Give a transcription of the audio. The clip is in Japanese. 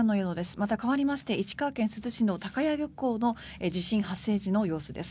また変わりまして石川県珠洲市の高屋漁港の地震発生時の様子です。